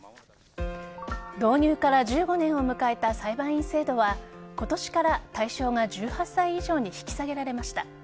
導入から１５年を迎えた裁判員制度は今年から、対象が１８歳以上に引き下げられました。